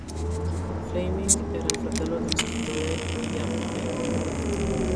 Fleming era il fratello dello scrittore Ian Fleming.